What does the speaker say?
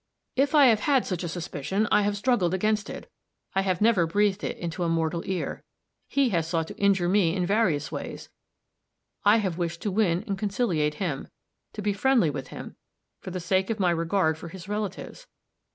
"If I have had such a suspicion, I have struggled against it; I have never breathed it into mortal ear. He has sought to injure me in various ways; I have wished to win and conciliate him; to be friendly with him, for the sake of my regard for his relatives.